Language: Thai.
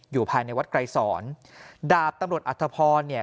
อยู่ภายในวัดไกรศรดาบตำรถอัตภพรเนี้ย